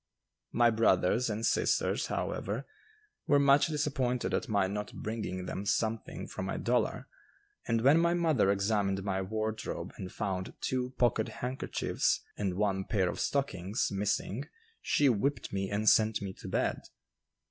My brothers and sisters, however, were much disappointed at my not bringing them something from my dollar, and when my mother examined my wardrobe and found two pocket handkerchiefs and one pair of stockings missing she whipped me and sent me to bed.